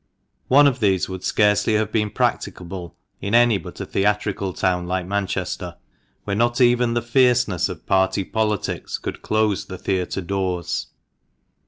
One of these would scarcely have been practicable in any but a theatrical town like Manchester, where not even the fierceness of party politics could close the theatre doors.